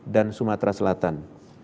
dan sumatera selatan